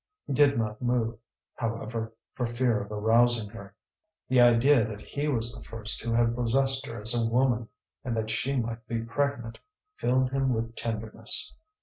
He did not move, however, for fear of arousing her. The idea that he was the first who had possessed her as a woman, and that she might be pregnant, filled him with tenderness.